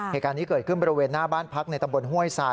เหตุการณ์นี้เกิดขึ้นบริเวณหน้าบ้านพักในตำบลห้วยทราย